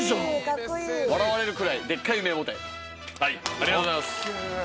ありがとうございます。